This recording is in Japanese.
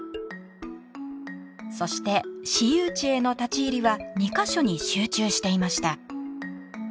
そして私有地への立ち入りは２か所に集中していました。